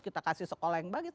kita kasih sekolah yang bagus